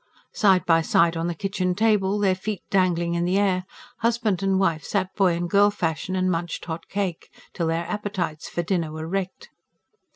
Side by side on the kitchen table, their feet dangling in the air, husband and wife sat boy and girl fashion and munched hot cake, till their appetites for dinner were wrecked.